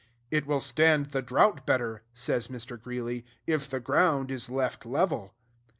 "It will stand the drought better," says Mr. Greeley, "if the ground is left level."